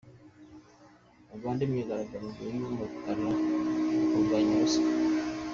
Uganda Imyigaragambyo y’umukara mu kurwanya ruswa